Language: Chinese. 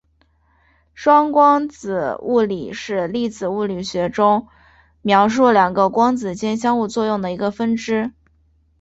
双光子物理是粒子物理学中描述两个光子间相互作用的一个分支。